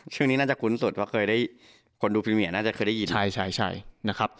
เชื่อนี้น่าจะคุ้นสุดเพราะคนดูปลีเมียอน่าจะเคยได้ยิน